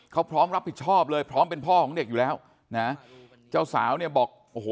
เขาพร้อมรับผิดชอบเลยพร้อมเป็นพ่อของเด็กอยู่แล้วนะเจ้าสาวเนี่ยบอกโอ้โห